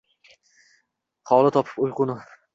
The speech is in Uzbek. Xoli topib uyquni